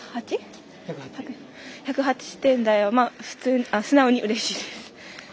１０８点台は素直にうれしいです。